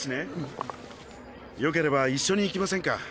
・よければ一緒に行きませんか？